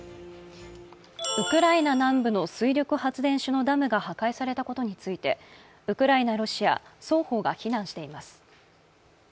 ウクライナ南部の水力発電所のダムが破壊されたことについてウクライナ、ロシア双方が非難しています。